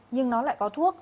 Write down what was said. nhưng nó lại có thuốc